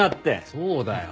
そうだよ。